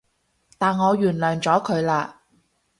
但我原諒咗佢喇